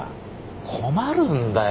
困るんだよ